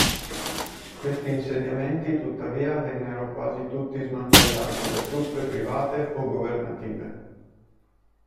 Questi insediamenti, tuttavia, vennero quasi tutti smantellati da truppe private o governative.